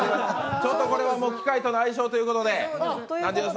これは機械との相性ということで。